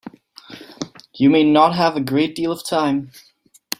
You may not have a great deal of time.